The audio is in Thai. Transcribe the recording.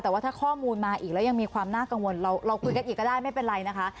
แต่ว่าถ้าข้อมูลมาอีกแล้วยังมีความน่ากังวลเราคุยกันอีกก็ได้ไม่เป็นไรนะคะ